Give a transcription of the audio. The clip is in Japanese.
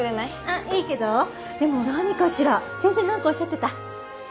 あっいいけどでも何かしら先生何かおっしゃってた？